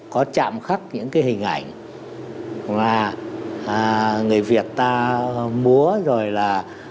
có chạm khắc những cái hình ảnh và người việt ta múa rồi là